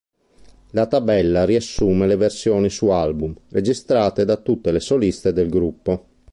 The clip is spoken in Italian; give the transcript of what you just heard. La tabella riassume le versioni su album registrate da tutte le soliste del gruppo.